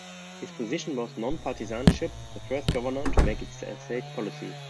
His position was non-partisanship, the first governor to make it a state policy.